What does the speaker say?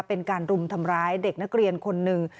เป็นการรุมทำร้ายเด็กนักเรียนคนหนึ่ง